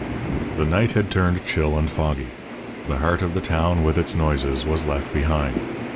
The night had turned chill and foggy. The heart of the town, with its noises, was left behind.